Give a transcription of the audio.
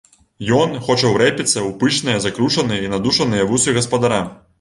Ён хоча ўрэпіцца ў пышныя закручаныя і надушаныя вусы гаспадара.